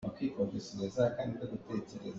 Bia ka hnih thum in kan chim tuah.